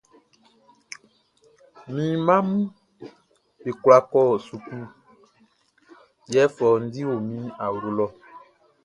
Mi mmaʼm be kwla kɔ suklu, yɛ fɔundi o mi awlo lɔ.